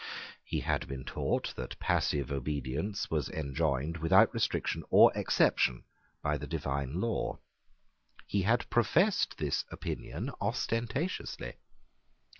He had been taught that passive obedience was enjoined without restriction or exception by the divine law. He had professed this opinion ostentatiously.